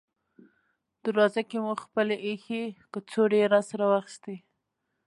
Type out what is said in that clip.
دروازه کې مو خپلې اېښې کڅوړې راسره واخیستې.